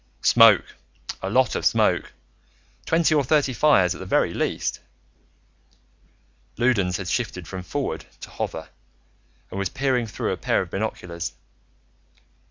"Smoke. A lot of smoke, twenty or thirty fires at the very least." Loudons had shifted from Forward to Hover and was peering through a pair of binoculars.